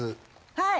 はい。